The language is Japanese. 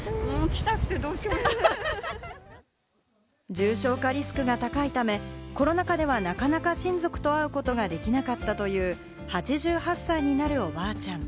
重症化リスクが高いため、コロナ禍ではなかなか親族と会うことができなかったという、８８歳になる、おばあちゃん。